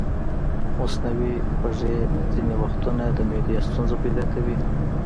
مصنوعي خوږې ځینې وختونه د معدې ستونزې پیدا کوي.